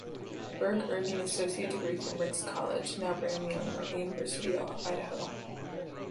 Berg earned an associate degree from Ricks College (now Brigham Young University–Idaho).